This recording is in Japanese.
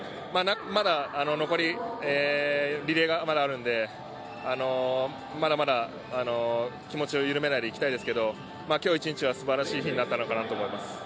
まだ残りリレーがまだあるのでまだまだ気持ちを緩めないでいきたいですけど今日一日は、すばらしい日になったのかなと思います。